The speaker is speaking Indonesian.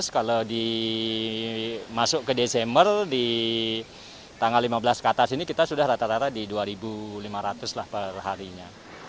kalau masuk ke desember di tanggal lima belas ke atas ini kita sudah rata rata di dua lima ratus lah perharinya